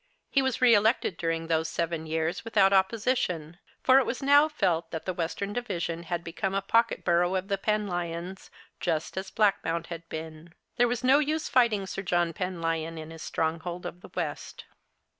He was re elected during those seven years without opposition, for it was now felt that the Western Division had become a pocket borough of the Penlyons, just as Blackmount had been. There was no use in fighting 8ir John Penlyon in his stronghold of the west.